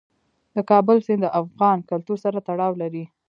د کابل سیند د افغان کلتور سره تړاو لري.